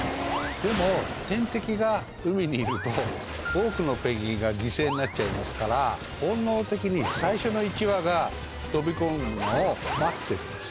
でも天敵が海にいると多くのペンギンが犠牲になっちゃいますから本能的に最初の１羽が飛び込むのを待ってるんですね。